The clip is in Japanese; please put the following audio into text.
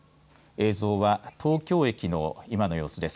映像は東京駅の今の様子です。